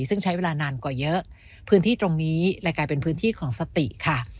ซึ่งใช้เวลานานกว่าเยอะพื้นที่ตรงนี้เลยกลายเป็นพื้นที่ของสติค่ะ